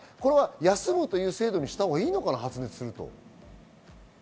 休むという制度にしたほうがいいのかな。